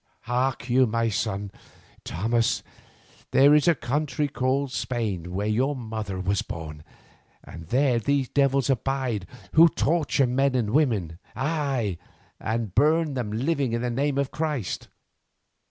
Hark you, my son Thomas, there is a country called Spain where your mother was born, and there these devils abide who torture men and women, aye, and burn them living in the name of Christ.